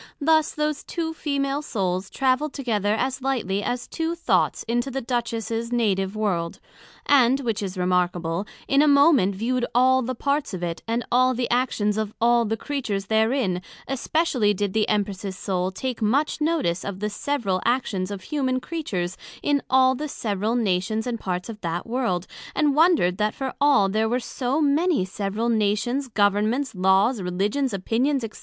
Thus those two Female Souls travelled together as lightly as two thoughts into the Duchess her native World; and, which is remarkable, in a moment viewed all the parts of it, and all the actions of all the Creatures therein, especially did the Empress's Soul take much notice of the several actions of humane Creatures in all the several Nations and parts of that World, and wonder'd that for all there were so many several Nations, Governments, Laws, Religions, Opinions, &c.